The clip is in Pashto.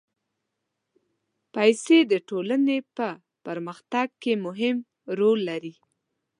پېسې د ټولنې په پرمختګ کې مهم رول لري.